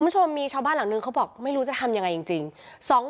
คุณผู้ชมมีชาวบ้านหลังนึงเขาบอกไม่รู้จะทำยังไงจริง